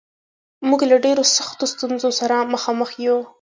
موږ له ډېرو سختو ستونزو سره مخامخ یو